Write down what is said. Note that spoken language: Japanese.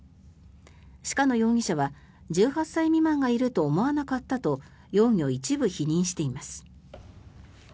鹿野容疑者は１８歳未満がいると思わなかったと容疑を一部否認しています。